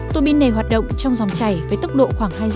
túa biên này hoạt động trong dòng chảy với tốc độ khoảng hai dặm một giờ